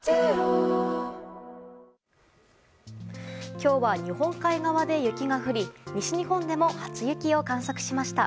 今日は、日本海側で雪が降り西日本でも初雪を観測しました。